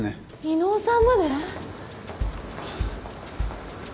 威能さんまで。